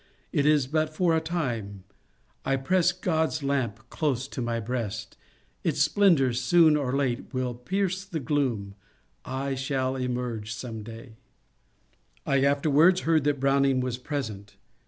It is bat for a time: I press Grod's lamp Close to mj breast: its splendours soon or late Will pierce the gloom: I shall emerge some day. I afterwards heard that Browning was present.